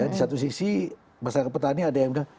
di satu sisi masyarakat petani ada yang bilang